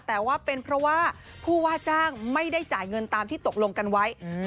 แต่ว่าเป็นเพราะว่าผู้ว่าจ้างไม่ได้จ่ายเงินตามที่ตกลงกันไว้